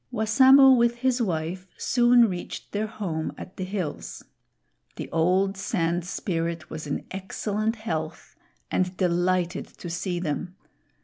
Wassamo with his wife soon reached their home at the hills. The old Sand Spirit was in excellent health and delighted to see them.